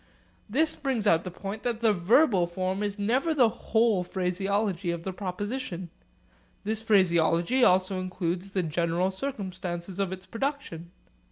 This brings out the point that the verbal form is never the whole phraseology of the proposition; this phraseology also includes the general circumstances of its production.